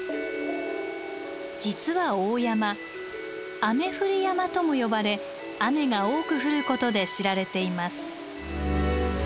実は大山「雨降り山」とも呼ばれ雨が多く降ることで知られています。